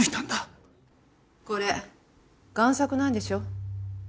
これ贋作なんでしょ？